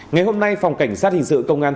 ngày hôm nay phòng cảnh sát hình sự công an